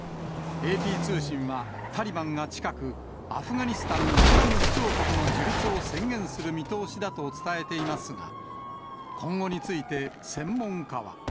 ＡＰ通信は、タリバンが近く、アフガニスタン・イスラム首長国の樹立を宣言する見通しだと伝えていますが、今後について専門家は。